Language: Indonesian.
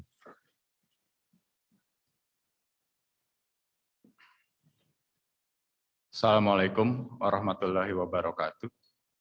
assalamualaikum warahmatullahi wabarakatuh